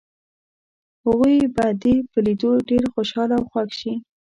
هغوی به دې په لیدو ډېر خوشحاله او خوښ شي.